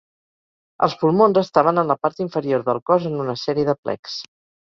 Els pulmons estaven en la part inferior del cos en una sèrie de plecs.